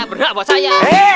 berhak buat saya